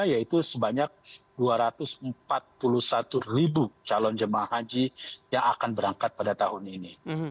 yaitu sebanyak dua ratus empat puluh satu ribu calon jembat haji yang akan berangkat pada tahun ini